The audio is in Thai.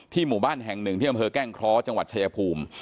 ที่หมู่บ้านแห่งหนึ่งที่อันเครื่องแก้งเค้าจังหวัดชัยภูมิ